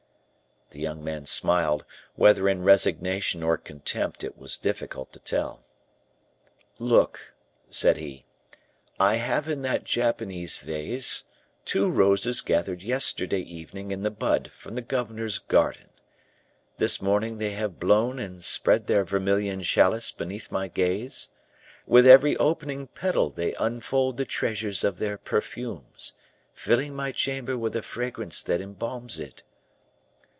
The young man smiled, whether in resignation or contempt, it was difficult to tell. "Look," said he, "I have in that Japanese vase two roses gathered yesterday evening in the bud from the governor's garden; this morning they have blown and spread their vermilion chalice beneath my gaze; with every opening petal they unfold the treasures of their perfumes, filling my chamber with a fragrance that embalms it.